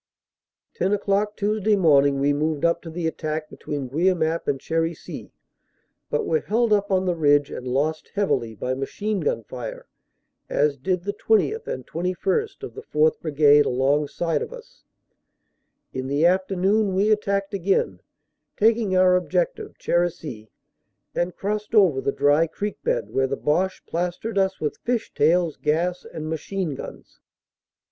"Ten o clock Tuesday morning we moved up to the attack OPERATIONS: AUG. 28 139 between Guemappe and Cherisy, but were held up on the ridge and lost heavily, by machine gun fire, as did the 20th. and 21st. of the 4th. Brigade, alongside of us. In the afternoon we attacked again, taking our objective, Cherisy, and crossed over the dry creek bed, where the Boche plastered us with fish tails, gas and machine guns.